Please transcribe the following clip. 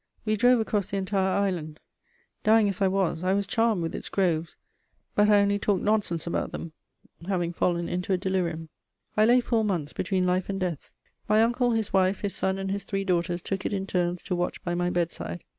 We drove across the entire island: dying as I was, I was charmed with its groves; but I only talked nonsense about them, having fallen into a delirium. I lay four months between life and death. My uncle, his wife, his son and his three daughters took it in turns to watch by my bedside.